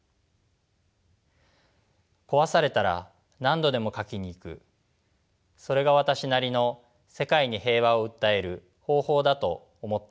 壊されたら何度でも描きに行くそれが私なりの世界に平和を訴える方法だと思っています。